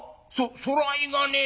そらいがねえだ。